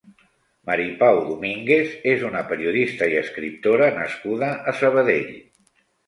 Mari Pau Domínguez és una periodista i escriptora nascuda a Sabadell.